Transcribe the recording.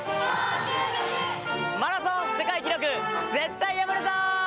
マラソン世界記録、絶対破るぞ！